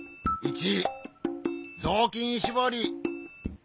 ぞうきんしぼり。